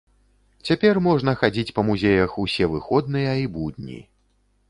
Цяпер можна хадзіць па музеях усе выходныя і будні.